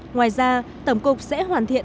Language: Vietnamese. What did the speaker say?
ngoài ra tổng cục sẽ hoàn thiện